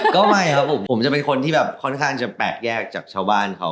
ก็ไม่ครับผมผมจะเป็นคนที่แบบค่อนข้างจะแปลกแยกจากชาวบ้านเขา